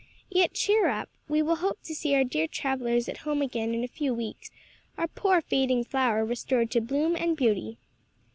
Yet cheer up, we will hope to see our dear travelers at home again in a few weeks, our poor fading flower restored to bloom and beauty."